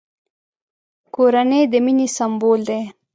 کورنۍ د مینې سمبول دی!